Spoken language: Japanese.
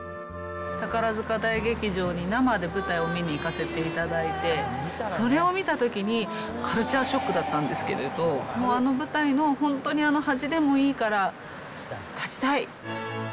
宝塚大劇場に生で舞台を見に生かせていただいて、それを見たときに、カルチャーショックだったんですけれど、もうあの舞台の、本当にあのはじでもいいから、立ちたい。